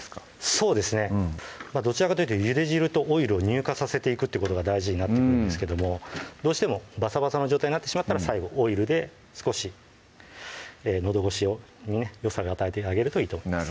そうですねどちらかというとゆで汁とオイルを乳化させていくってことが大事になってくるんですけどもどうしてもバサバサの状態になってしまったら最後オイルで少しのどごしのよさを与えてあげるといいと思います